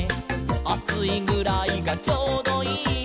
「『あついぐらいがちょうどいい』」